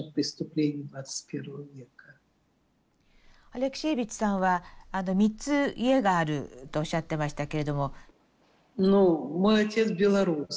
アレクシエービッチさんは３つ家があるとおっしゃってましたけれども。